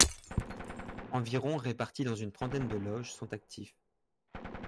Environ reparties dans une trentaines de loges sont actifs.